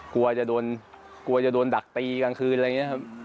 กลัวจะโดนดักตีกลางคืนอะไรอย่างนี้ครับ